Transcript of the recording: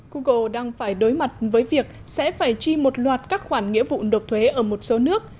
google đang phải đối mặt với việc sẽ phải chi một loạt các khoản nghĩa vụ nộp thuế ở một số nước